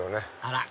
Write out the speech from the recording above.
あら！